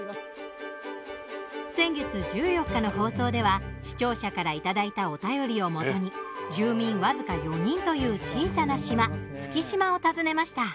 先月１４日の放送では視聴者からいただいたお便りをもとに住民僅か４人という小さな島築島を訪ねました。